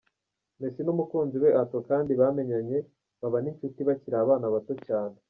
Messi n'umukunzi we Anto kandi bamenyanye baba n'inshuti bakiri abana bato cyane.